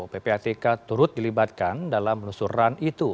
ppatk turut dilibatkan dalam penelusuran itu